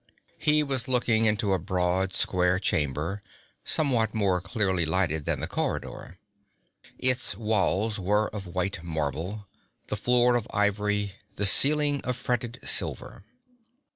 He was looking into a broad, square chamber, somewhat more clearly lighted than the corridor. Its walls were of white marble, the floor of ivory, the ceiling of fretted silver.